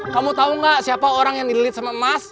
kamu tau gak siapa orang yang dililit sama emas